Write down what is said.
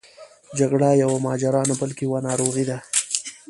جګړه یوه ماجرا نه بلکې یوه ناروغي ده.